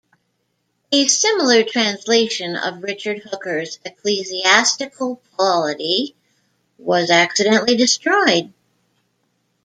A similar translation of Richard Hooker's "Ecclesiastical Polity" was accidentally destroyed.